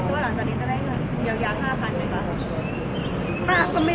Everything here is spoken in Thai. ช่วยว่าหลังจากนี้จะได้เวลาเดี๋ยวยาห้าพันเลยป้า